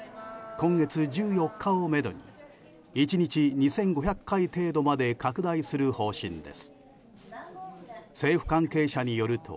今月１４日をめどに１日２５００回程度まで拡大する方針です。